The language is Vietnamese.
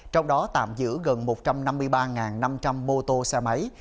trong đó tạm giữ gần một trăm năm mươi ba năm trăm linh mô tô xe máy